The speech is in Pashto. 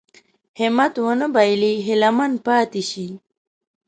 همت ونه بايلي هيله من پاتې شي.